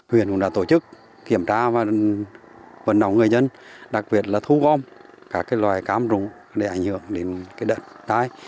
huyện cũng đã tổ chức kiểm tra và vận động người dân đặc biệt là thu gom các loài cam rụng để ảnh hưởng đến đợt tai